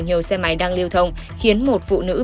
nhiều xe máy đang lưu thông khiến một phụ nữ